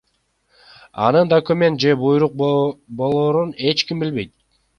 Анын документ же буйрук болорун эч ким билбейт.